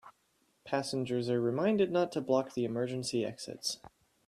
Passengers are reminded not to block the emergency exits.